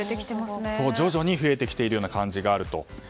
徐々に増えてきている感じがあると。